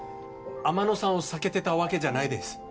天野さんを避けてたわけじゃないです